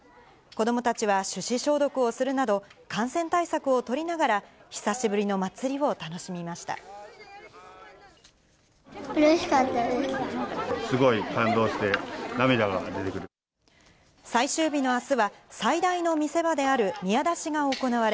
子どもたちは手指消毒をするなど、感染対策を取りながら、久しぶりうれしかったです。